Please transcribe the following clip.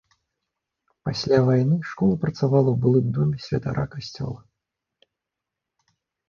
Пасля вайны школа працавала ў былым доме святара касцёла.